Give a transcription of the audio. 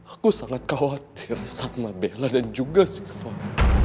aku sangat khawatir sama bella dan juga sifat